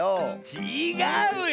ちがうよ！